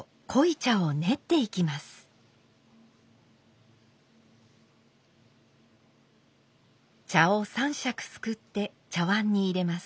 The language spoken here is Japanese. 茶を３杓すくって茶碗に入れます。